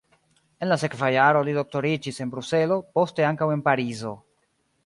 En la sekva jaro li doktoriĝis en Bruselo, poste ankaŭ en Parizo.